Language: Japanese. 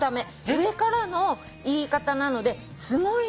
上からの言い方なので『すごいね』